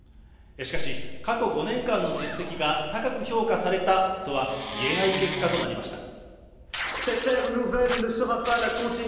しかし、過去５年間の実績が高く評価されたとは言えない結果となりました。